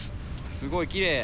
すごいきれい。